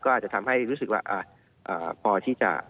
ก็อาจจะทำให้รู้สึกว่าพอที่จะ